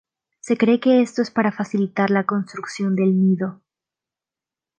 Se cree que esto es para facilitar la construcción del nido.